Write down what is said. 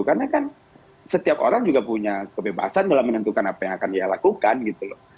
karena kan setiap orang juga punya kebebasan dalam menentukan apa yang akan dia lakukan gitu loh